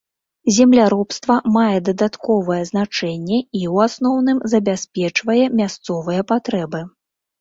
Земляробства мае дадатковае значэнне і, у асноўным, забяспечвае мясцовыя патрэбы.